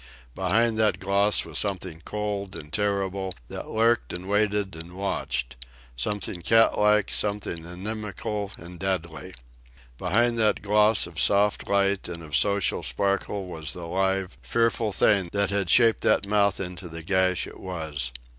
Behind that gloss was something cold and terrible, that lurked and waited and watched—something catlike, something inimical and deadly. Behind that gloss of soft light and of social sparkle was the live, fearful thing that had shaped that mouth into the gash it was.